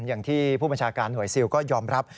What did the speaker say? อย่างที่ผู้บัญชาการหน่วยซิลก็ยอมรับ